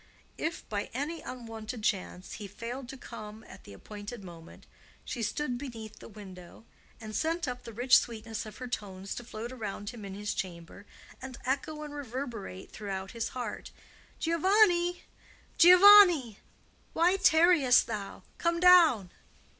If, by any unwonted chance, he failed to come at the appointed moment, she stood beneath the window and sent up the rich sweetness of her tones to float around him in his chamber and echo and reverberate throughout his heart: "Giovanni! Giovanni! Why tarriest thou? Come down!"